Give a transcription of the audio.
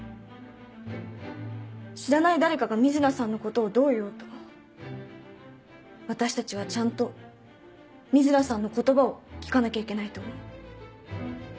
知らない誰かが瑞奈さんのことをどう言おうと私たちはちゃんと瑞奈さんの言葉を聞かなきゃいけないと思う。